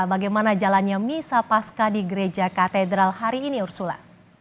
bagaimana jalannya misa pasca di gereja katedral hari ini ursula